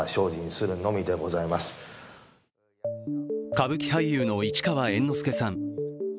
歌舞伎俳優の市川猿之助さん。